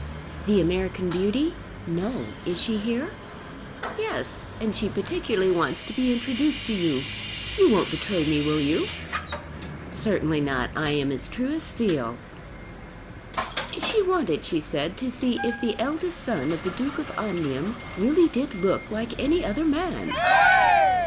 "The American beauty? No. Is she here?" "Yes; and she particularly wants to be introduced to you; you won't betray me, will you?" "Certainly not; I am as true as steel." "She wanted, she said, to see if the eldest son of the Duke of Omnium really did look like any other man."